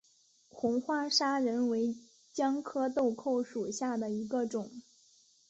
红花砂仁为姜科豆蔻属下的一个种。